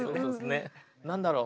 何だろう